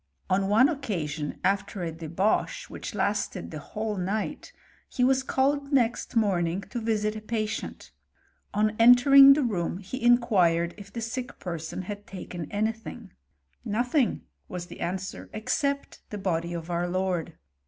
On one occasion, after & debauch, which lasted the whole night, he was called next morning to visit a patient ; on entering tbe room, ^^ inquired if the sick person had taken any thing :Nothing," was the answer, " except the body of our I^rd."